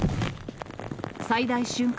最大瞬間